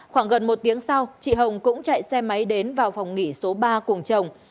khoảng gần một tiếng sau chị hồng cũng chạy xe máy đến vào phòng nghỉ số ba cùng chồng